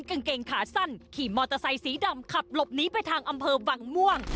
กางเกงขาสั้นขี่มอเตอร์ไซสีดำขับหลบหนีไปทางอำเภอวังม่วง